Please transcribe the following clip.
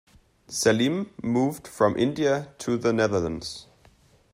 Salim moved from India to the Netherlands.